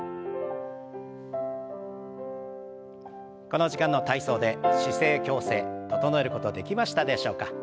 この時間の体操で姿勢矯正整えることできましたでしょうか？